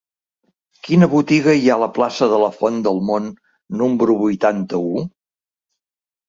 Quina botiga hi ha a la plaça de la Font del Mont número vuitanta-u?